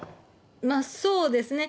まあ、そうですね。